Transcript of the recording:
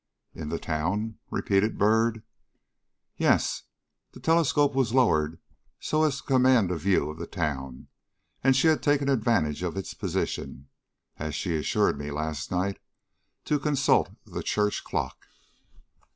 "In the town!" repeated Byrd. "Yes; the telescope was lowered so as to command a view of the town, and she had taken advantage of its position (as she assured me last night) to consult the church clock."